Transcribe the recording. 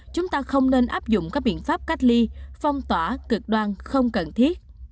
chúng ta không nên áp dụng các biện pháp cách ly phong tỏa cực đoan không cần thiết